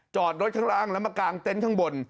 จอดรถข้างล่างแล้วมากางเต็นต์ข้างบน